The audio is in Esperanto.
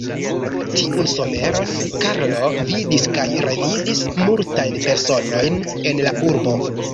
Tiun someron Karlo vidis kaj revidis multajn personojn en la urbo.